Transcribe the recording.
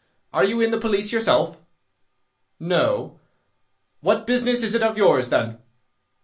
Are you in the police yourself?" "No." "What business is it of yours, then?"